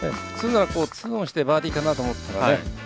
２オンしてバーディーかなと思ったら。